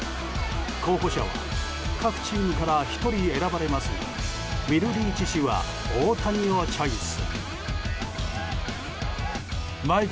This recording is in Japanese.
候補者は各チームから１人選ばれますがウィル・リーチ氏は大谷をチョイス。